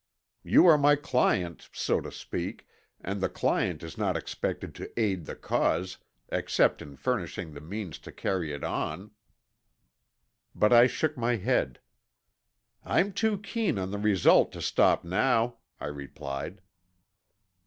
"You are my client, so to speak, and the client is not expected to aid the cause except in furnishing the means to carry it on." But I shook my head. "I'm too keen on the result to stop now," I replied.